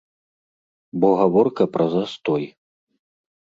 Бо гаворка пра застой.